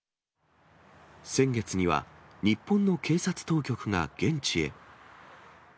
先月には日本の警察当局が現地へ。